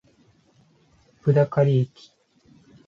札苅駅